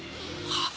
・あっ。